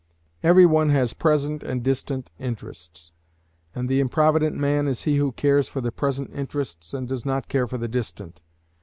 Every one has present and distant interests, and the improvident man is he who cares for the present interests and does not care for the distant.